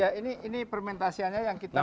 ya ini fermentasinya yang kita pakai